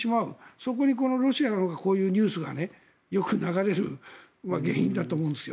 そこにロシアのこういうニュースがよく流れる原因だと思うんですよ。